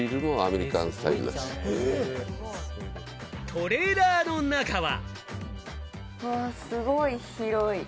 トレーラーの中は。